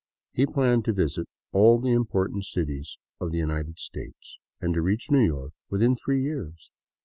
He planned to visit all the important cities of the United States, and to reach New York within three years.